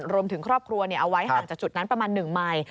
รวมถึงครอบครัวเอาไว้ห่างจากจุดนั้นประมาณ๑ไมค์